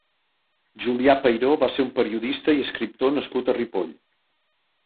Julià Peiró va ser un periodista i escriptor nascut a Ripoll.